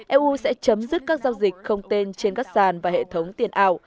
eu sẽ chấm dứt các giao dịch không tên trên các sàn và hệ thống tiền ảo